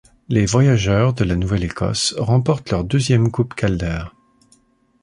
Les Voyageurs de la Nouvelle-Écosse remportent leur deuxième coupe Calder.